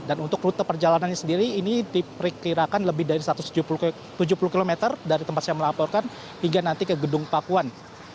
dan untuk rute perjalanan ini sendiri ini diperkirakan lebih dari satu ratus tujuh puluh km dari tempat saya melaporkan hingga nanti ke gedung pakuan